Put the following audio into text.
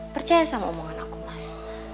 percaya sama omongan aku mas